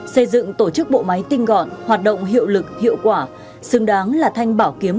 xây dựng tổ chức bộ máy tinh gọn hoạt động hiệu lực hiệu quả xứng đáng là thanh bảo kiếm